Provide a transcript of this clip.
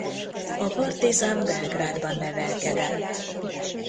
A Partizan Belgrádban nevelkedett.